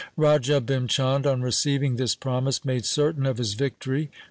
Raja Bhim Chand on receiving this promise made certain of his victory.